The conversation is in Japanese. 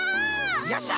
よっしゃ！